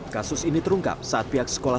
kasus ini terungkap saat pihak sekolah